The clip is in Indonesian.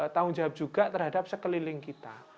tanggung jawab juga terhadap sekeliling kita